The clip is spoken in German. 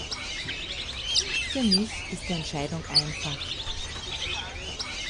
Für mich ist die Entscheidung einfach.